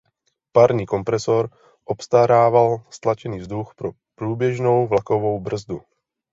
Parní kompresor obstarával stlačený vzduch pro průběžnou vlakovou brzdu.